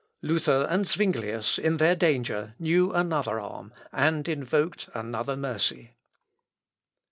Luther and Zuinglius in their danger knew another arm, and invoked another mercy.